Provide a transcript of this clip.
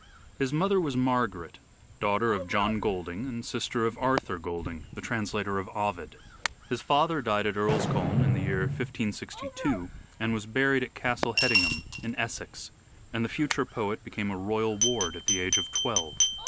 His mother was Margaret, daughter of John Golding and sister of Arthur Golding, the translator of Ovid. EARLY LIFE OF EDWARD DE VERE 231 His father died at Earl's Colne in the year 1562 and was buried at Castle Hedingham, in Essex, and the future poet became a royal ward at the age of twelve.